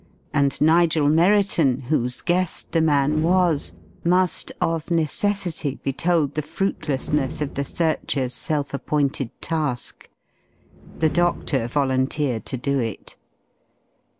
And Nigel Merriton, whose guest the man was, must of necessity be told the fruitlessness of the searchers' self appointed task. The doctor volunteered to do it.